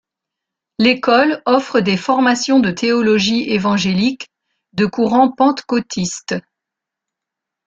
L'école offre des formations de théologie évangélique de courant pentecôtiste.